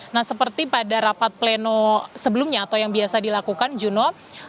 nah seperti pada rapat pleno sebelumnya atau yang biasa dilakukan juno